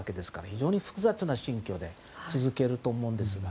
非常に複雑な心境で続けると思うんですが。